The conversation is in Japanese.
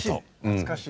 懐かしい。